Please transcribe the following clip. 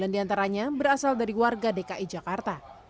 empat puluh sembilan diantaranya berasal dari warga dki jakarta